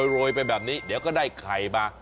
โรยไปแบบนี้เดี๋ยวก็ได้ไข่มา